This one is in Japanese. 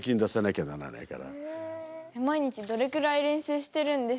毎日どれくらい練習してるんですか？